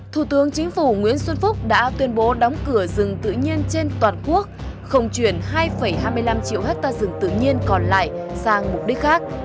thủ tướng chính phủ nguyễn xuân phúc đã tuyên bố đóng cửa rừng tự nhiên trên toàn quốc không chuyển hai hai mươi năm triệu hectare rừng tự nhiên còn lại sang mục đích khác